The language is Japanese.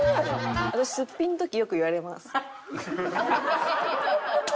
私すっぴんの時よく言われます。